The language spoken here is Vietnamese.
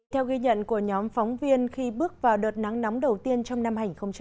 theo ghi nhận của nhóm phóng viên khi bước vào đợt nắng nóng đầu tiên trong năm hai nghìn một mươi chín